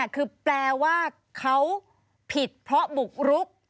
คือแปลว่าเขาผิดเพราะบุกรุก